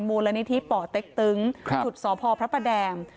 มูลนิธิป่อเต๊กตึ๋งค่ะถุดศพพระประแดม